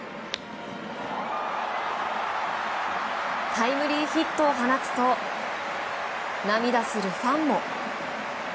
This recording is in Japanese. タイムリーヒットを放つと涙するファンも。